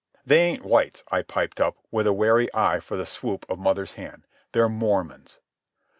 "They ain't whites," I piped up, with a wary eye for the swoop of mother's hand. "They're Mormons."